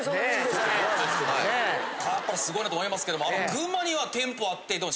すごいなと思いますけども。